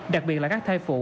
đặc biệt là các thai phụ